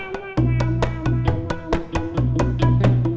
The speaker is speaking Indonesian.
tidak bisa untuk mengandung lagi